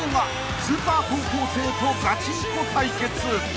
スーパー高校生とガチンコ対決！］